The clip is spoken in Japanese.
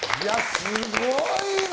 すごいね！